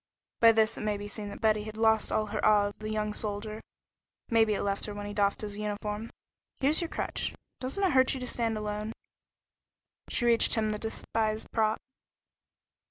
By this it may be seen that Betty had lost all her awe of the young soldier. Maybe it left her when he doffed his uniform. "Here's your crutch. Doesn't it hurt you to stand alone?" She reached him the despised prop.